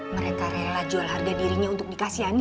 mereka rela jual harga dirinya untuk dikasihani